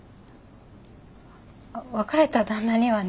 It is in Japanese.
別れた旦那にはね